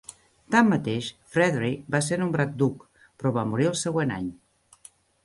Tanmateix, Frederick va ser nombrat duc, però va morir el següent any.